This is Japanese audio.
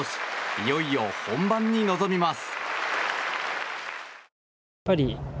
いよいよ本番に臨みます。